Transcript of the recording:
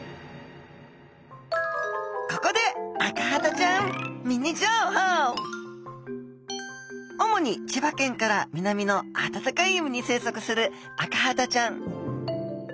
ここで主に千葉県から南のあたたかい海に生息するアカハタちゃん。